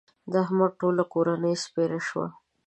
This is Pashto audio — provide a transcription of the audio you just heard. د احمد ټوله کورنۍ سپېره شوه.